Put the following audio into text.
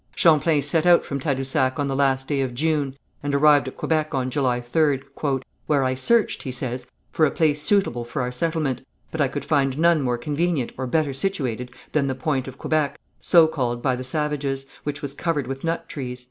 Champlain set out from Tadousac on the last day of June and arrived at Quebec on July 3rd, "Where I searched," he says, "for a place suitable for our settlement, but I could find none more convenient or better situated than the point of Quebec, so called by the savages, which was covered with nut trees."